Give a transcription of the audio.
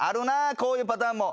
こういうパターンも。